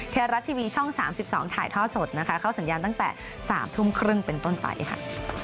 ไทยรัฐทีวีช่อง๓๒ถ่ายท่อสดนะคะเข้าสัญญาณตั้งแต่๓ทุ่มครึ่งเป็นต้นไปค่ะ